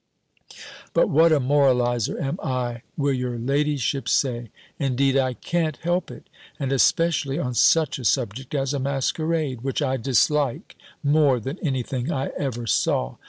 But what a moralizer am I! will your ladyship say: indeed I can't help it: and especially on such a subject as a masquerade, which I dislike more than any thing I ever saw.